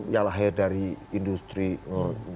yang lahir dari industri nyerot sumber daya alam